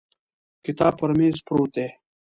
کتاب پر مېز پروت دی.